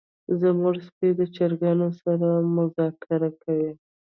زمونږ سپی د چرګانو سره مذاکره کوي.